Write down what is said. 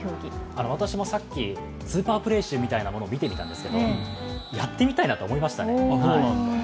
私もさっきスーパープレー集みたいなものを見てみたんですけどやってみたいなと思いましたね。